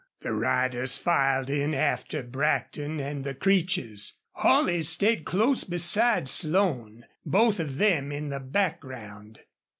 The riders filed in after Brackton and the Creeches. Holley stayed close beside Slone, both of them in the background.